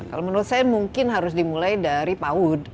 kalau menurut saya mungkin harus dimulai dari paud